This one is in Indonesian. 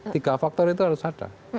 tiga faktor itu harus ada